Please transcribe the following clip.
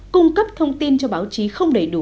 cung cấp thông tin cho báo chí không đầy đủ